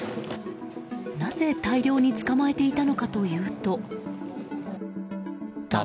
なぜ大量に捕まえていたのかというと。